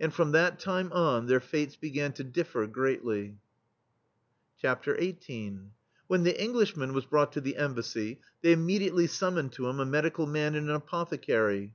And from that time on their fates began to differ greatly. XVIII When the Englishman was brought to the Embassy, they immediately sum moned to him a medical man and an apothecary.